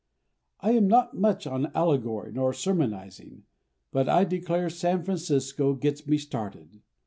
I am not much on allegory nor sermonizing, but I declare San Francisco gets me started.